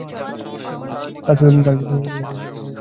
তার শরীরে ছিল লাল বর্ণের পশম।